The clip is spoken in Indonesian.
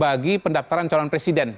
bagi pendaftaran calon presiden